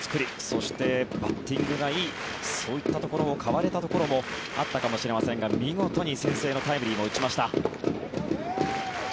そして、バッティングがいいそういったところを買われたところもあったかもしれませんが見事に先制のタイムリーも打ちました。